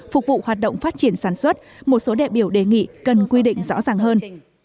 phục vụ hoạt động phát triển sản xuất một số đại biểu đề nghị cần quy định rõ ràng hơn